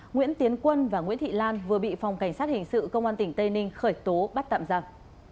nguyễn tiến quân và nguyễn thị lan vừa bị phòng cảnh sát hình sự công an tỉnh tây ninh khởi tố bắt tạm giặc